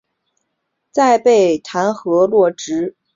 再被秦桧弹劾落职。